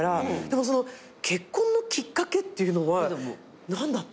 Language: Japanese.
でもその結婚のきっかけっていうのは何だったんですか？